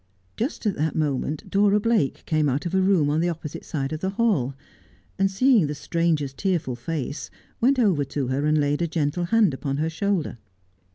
Just at that moment Dora Blake came out of a room on the opposite side of the hall, and seeing the stranger's tearful face, went over to her and laid a gentle hand upon her shoulder.